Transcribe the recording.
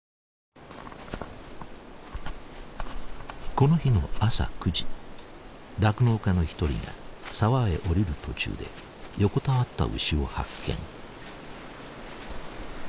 この日の朝９時酪農家の一人が沢へ下りる途中で横たわった牛を発見。